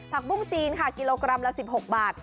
ปุ้งจีนค่ะกิโลกรัมละ๑๖บาท